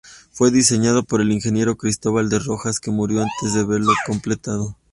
Fue diseñado por el ingeniero Cristóbal de Rojas que murió antes de verlo completado.